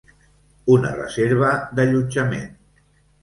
Una reserva d'allotjament.